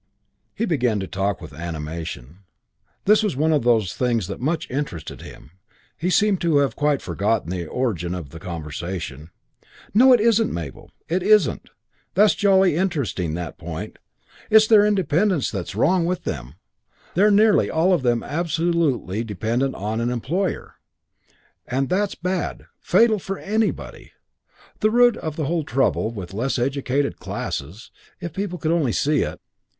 He began to talk with animation. This was one of the things that much interested him. He seemed to have quite forgotten the origin of the conversation. "No, it isn't, Mabel it isn't. That's jolly interesting, that point. It's their dependence that's wrong with them. They're nearly all of them absolutely dependent on an employer, and that's bad, fatal, for anybody. It's the root of the whole trouble with the less educated classes, if people would only see it.